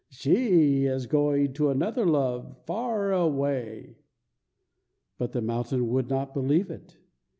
"She is going to another love far away." But the mountain would not believe it.